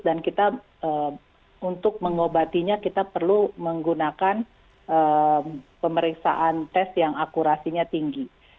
dan untuk mengobatinya kita perlu menggunakan pemeriksaan tes yang akurasinya tinggi